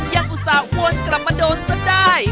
ยังอุตส่าวอลกลับมาโดนซะได้